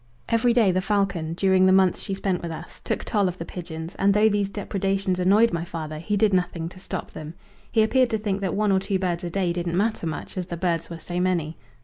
Every day the falcon, during the months she spent with us, took toll of the pigeons, and though these depredations annoyed my father he did nothing to stop them. He appeared to think that one or two birds a day didn't matter much as the birds were so many.